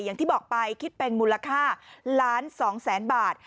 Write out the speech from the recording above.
อย่างที่บอกไปคิดเป็นมูลค่าล้าน๒แสนบาท